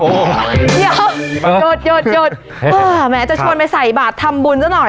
เดี๋ยวเงียบว่าไหมจะชวนไปใส่บาดทำบุญแล้วหน่อย